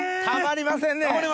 たまりません！